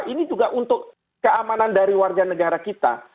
ini juga untuk keamanan dari warga negara kita